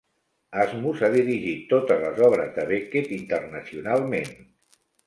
Asmus ha dirigit totes les obres de Beckett internacionalment.